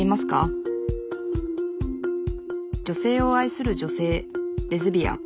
女性を愛する女性レズビアン。